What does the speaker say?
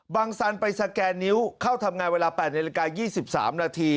สันไปสแกนนิ้วเข้าทำงานเวลา๘นาฬิกา๒๓นาที